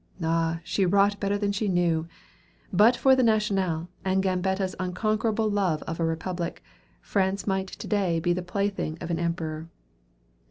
Ah, she wrought better than she knew! But for the "National," and Gambetta's unconquerable love for a republic, France might to day be the plaything of an emperor.